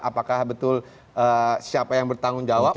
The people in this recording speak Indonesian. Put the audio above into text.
apakah betul siapa yang bertanggung jawab